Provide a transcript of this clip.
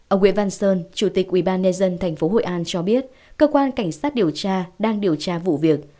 ông nguyễn văn sơn chủ tịch ubnd tp hội an cho biết cơ quan cảnh sát điều tra đang điều tra vụ việc